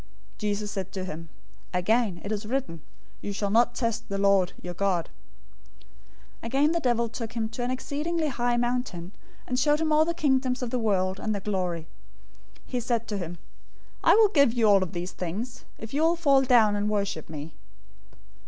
'"{Psalm 91:11 12} 004:007 Jesus said to him, "Again, it is written, 'You shall not test the Lord, your God.'"{Deuteronomy 6:16} 004:008 Again, the devil took him to an exceedingly high mountain, and showed him all the kingdoms of the world, and their glory. 004:009 He said to him, "I will give you all of these things, if you will fall down and worship me."